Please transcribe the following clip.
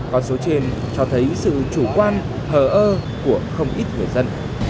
còn số trên cho thấy sự chủ quan hờ ơ của không ít người dân